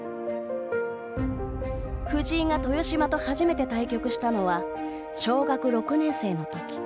藤井が豊島と初めて対局したのは小学６年生のとき。